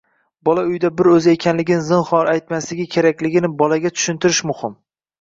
Bola uyda bir o‘zi ekanligini zinhor aytmasligi kerakligini bola tushuntirish muhim.